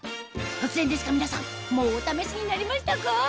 突然ですが皆さんもうお試しになりましたか？